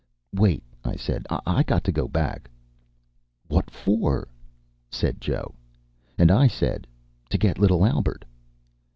"Wait," I said. "I got to go back." "What for?" said Joe. And I said, "To get little Albert."